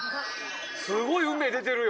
すごい運命出てるよ